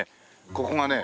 ここがね